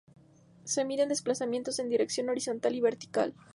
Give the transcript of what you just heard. Se miden desplazamientos en dirección horizontal y vertical.